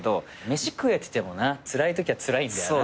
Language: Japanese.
飯食えててもなつらいときはつらいんだよな。